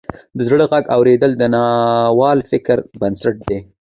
د زړه غږ اوریدل د ناول فکري بنسټ دی.